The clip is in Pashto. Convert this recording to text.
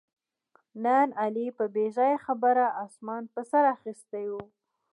نن علي په بې ځایه خبره اسمان په سر اخیستی و